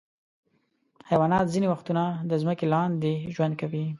حیوانات ځینې وختونه د ځمکې لاندې ژوند کوي.